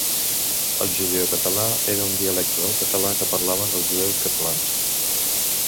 El judeocatalà era el dialecte del català que parlaven els jueus catalans.